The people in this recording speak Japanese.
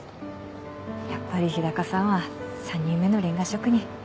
やっぱり日高さんは３人目のレンガ職人。